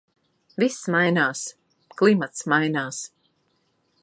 Viss mainās... Klimats mainās.